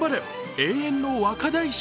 永遠の若大将。